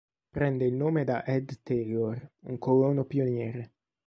Prende il nome da Ed Taylor, un colono pioniere.